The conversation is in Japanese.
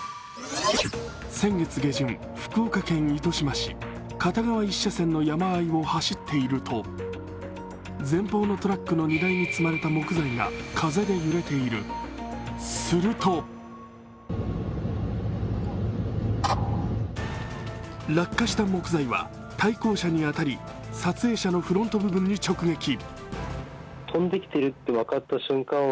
先月下旬、福岡県糸島市、片側１車線の山あいを走っていると前方のトラックの荷台に積まれた木材が風に揺れている、すると落下した木材は対向車に当たり撮影者のフロント部分に直撃。